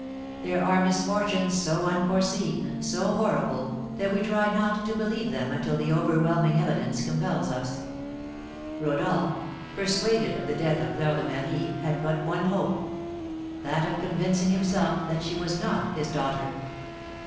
There are misfortunes so unforeseen, so horrible, that we try not to believe them until the overwhelming evidence compels us. Rodolph, persuaded of the death of Fleur de Marie, had but one hope, that of convincing himself that she was not his daughter.